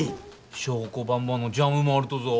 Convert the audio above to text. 祥子ばんばのジャムもあるとぞぉ。